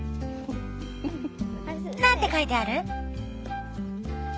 何て書いてある？